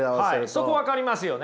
はいそこ分かりますよね。